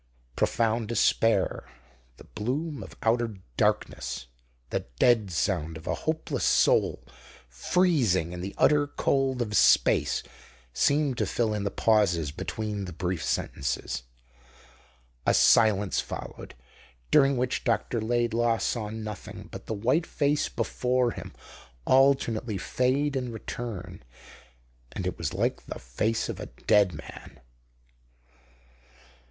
Profound despair, the bloom of outer darkness, the dead sound of a hopeless soul freezing in the utter cold of space seemed to fill in the pauses between the brief sentences. A silence followed, during which Dr. Laidlaw saw nothing but the white face before him alternately fade and return. And it was like the face of a dead man.